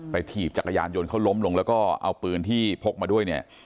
ถีบจักรยานยนต์เขาล้มลงแล้วก็เอาปืนที่พกมาด้วยเนี่ย